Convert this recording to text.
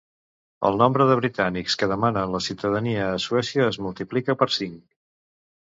El nombre de britànics que demanen la ciutadania a Suècia es multiplica per cinc.